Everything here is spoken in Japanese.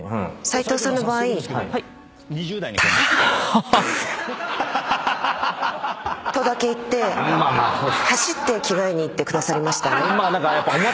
斎藤さんの場合「たはは」とだけ言って走って着替えに行ってくださりましたね。